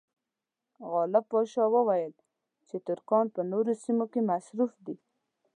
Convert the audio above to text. غالب پاشا وویل چې ترکان په نورو سیمو کې مصروف دي.